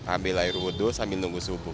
ambil air wudhu sambil nunggu subuh